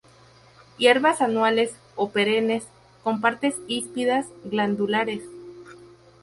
Hierbas anuales o perennes con partes híspidas-glandulares.